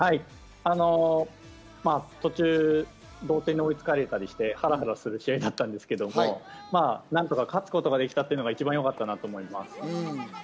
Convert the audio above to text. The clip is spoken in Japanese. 途中同点に追いつかれたりして、ハラハラする試合だったんですけど、何とか勝つことができたというのが一番よかったと思います。